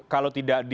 kalau tidak di